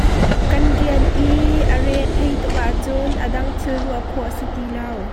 Kan rian i kan re a theih tuk ahcun a dang thil ruah khawh a si ti lo.